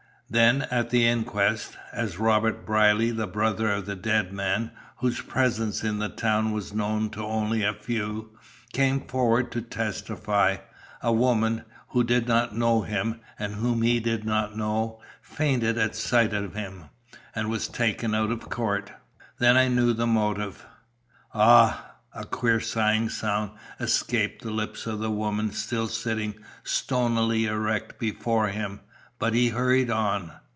Then, at the inquest, as Robert Brierly, the brother of the dead man, whose presence in the town was known to only a few, came forward to testify, a woman, who did not know him, and whom he did not know, fainted at sight of him, and was taken out of court. Then I knew the motive." "Ah h h!" A queer sighing sound escaped the lips of the woman still sitting stonily erect before him; but he hurried on.